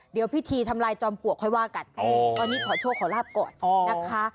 เดี๋ยวพิธีทำลายจอมปลวกค่อยว่ากันตอนนี้ขอโชคขอลาบก่อนนะคะ